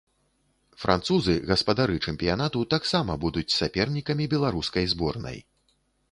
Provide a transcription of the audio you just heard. Французы, гаспадары чэмпіянату, таксама будуць сапернікамі беларускай зборнай.